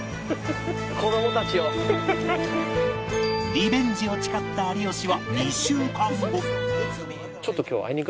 リベンジを誓った有吉は２週間後